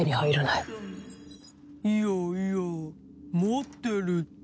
いやいや持ってるって。